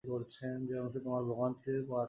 যে অংশে তোমার ভোগান্তি পোহাতে হবে।